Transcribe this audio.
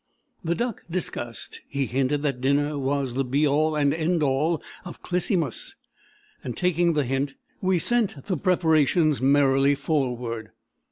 The duck discussed, he hinted that dinner was the be all and end all of "Clisymus," and, taking the hint, we sent the preparations merrily forward.